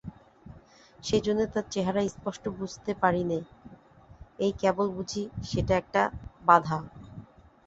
সেইজন্যে তার চেহারা স্পষ্ট বুঝতে পারি নে, এই কেবল বুঝি সেটা একটা বাধা।